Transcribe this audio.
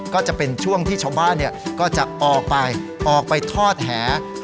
ก็จะเป็นช่วงที่ชาวบ้านก็จะออกไปออกไปทอดแห